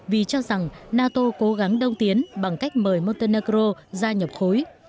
vì cho rằng nato cố gắng đông tiến bằng cách mời montenegro ra nhập khối